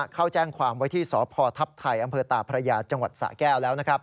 เข้าแจ้งความไว้ที่สพทัพไทยอำเภอตาพระยาจังหวัดสะแก้วแล้ว